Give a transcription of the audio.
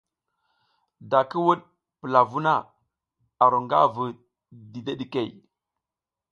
Da ki wuɗ pula vuh na, a ru nga vu dideɗikey.